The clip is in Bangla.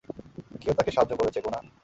কেউ তাকে সাহায্য করেছে, গুনা।